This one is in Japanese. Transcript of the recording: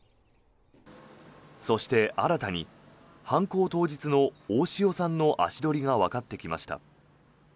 そして、新たに犯行当日の大塩さんの足取りがわかってきました。